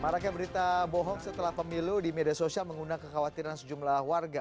maraknya berita bohong setelah pemilu di media sosial mengundang kekhawatiran sejumlah warga